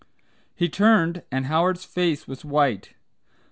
He turned, and Howard's face was white.